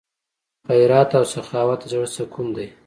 خیرات او سخاوت د زړه سکون دی.